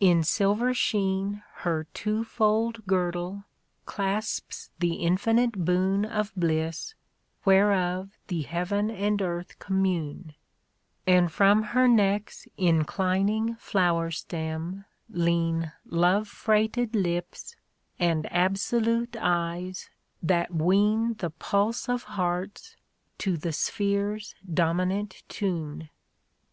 In silver sheen Her two fold girdle clasps the infinite boon Of bliss whereof the heaven and earth commune : And from her neck's inclining flower stem lean Love freighted lips and absolute eyes that wean The pulse of hearts to the spheres* dominant tune.